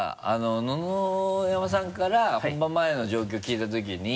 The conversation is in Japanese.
野々山さんから本番前の状況聞いたときに。